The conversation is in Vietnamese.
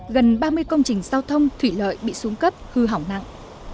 gần ba mươi công trình giao thông thủy lợi bị xuống cấp hư hỏng nặng